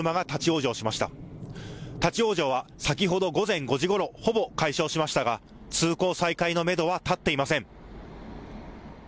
立往生は先ほど午前５時ごろ、ほぼ解消しましたが、通行再開のメドは立っていません。